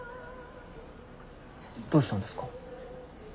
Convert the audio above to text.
どうしたんですか？